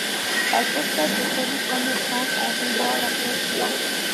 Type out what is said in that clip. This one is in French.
Elle possède de solides connaissances en combat rapproché.